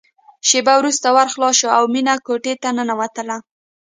شېبه وروسته ور خلاص شو او مينه کوټې ته ننوتله